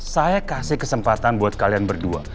saya kasih kesempatan buat kalian berdua